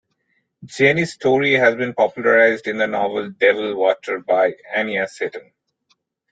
Jenny's story has been popularized in the novel "Devil Water" by Anya Seton.